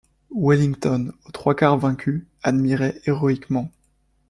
Wellington, aux trois quarts vaincu, admirait héroïquement.